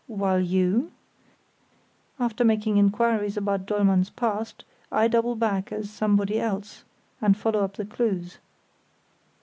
"While you?" "After making inquiries about Dollmann's past I double back as somebody else, and follow up the clues."